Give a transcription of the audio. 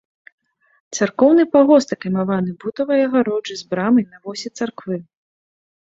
Царкоўны пагост акаймаваны бутавай агароджай з брамай на восі царквы.